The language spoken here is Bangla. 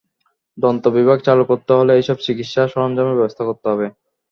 দন্ত বিভাগ চালু করতে হলে এসব চিকিৎসা সরঞ্জামের ব্যবস্থা করতে হবে।